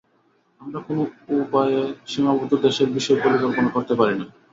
আমরা অন্য কোন উপায়ে সীমাবদ্ধ দেশের বিষয় কল্পনা করিতে পারি না।